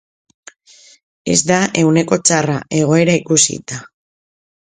Ez da ehuneko txarra, egoera ikusita.